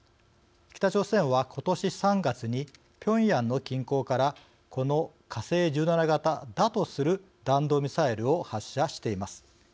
北朝鮮は今年３月にピョンヤンの近郊からこの火星１７型だとする弾道ミサイルを発射しています。